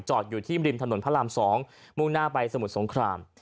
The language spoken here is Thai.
อยู่ที่ริมถนนพระราม๒มุ่งหน้าไปสมุทรสงคราม